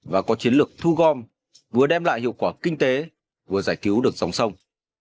và có chiến lược thu gom vừa đem lại hiệu quả kinh tế vừa giải cứu được dòng sông